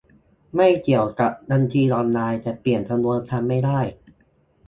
ไม่เกี่ยวกับบัญชีออนไลน์ แต่เปลี่ยนจำนวนครั้งไม่ได้